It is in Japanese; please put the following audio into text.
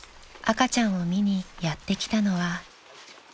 ［赤ちゃんを見にやって来たのは］